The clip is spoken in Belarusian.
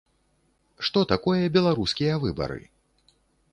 Што такое беларускія выбары?